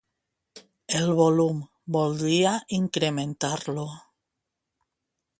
El volum, voldria incrementar-lo.